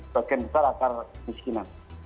bagian besar akar miskinan